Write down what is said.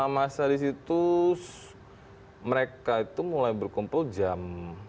masa di situ mereka itu mulai berkumpul jam